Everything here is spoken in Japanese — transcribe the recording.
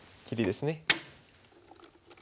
切りですね。